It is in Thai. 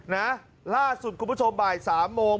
นะล่าสุดคุณผู้ชมบ่ายสามโมง